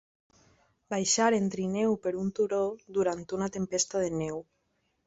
Baixar en trineu per un turó durant una tempesta de neu.